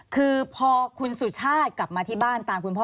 คือพอคุณสุชาติกลับมาที่บ้านตามคุณพ่อ